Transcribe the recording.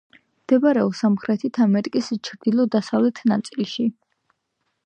მდებარეობს სამხრეთი ამერიკის ჩრდილო-დასავლეთ ნაწილში.